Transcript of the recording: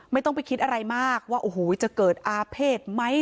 ไม่ต้องไปคิดอะไรมากว่าโอ้โหจะเกิดอาเภษไหม